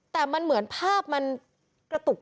เล้วถ้าเติมมันภาพมันกระตุก